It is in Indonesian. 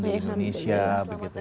selamat pagi selamat pagi kembali